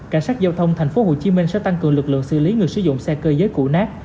cảnh sát giao thông tp hcm sẽ tăng cường lực lượng xử lý người sử dụng xe cơ giới cụ nát